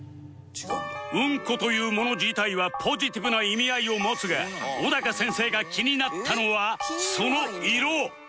うんこというもの自体はポジティブな意味合いを持つが小高先生が気になったのはその色